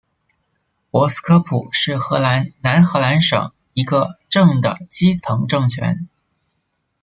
博斯科普是荷兰南荷兰省的一个镇的基层政权。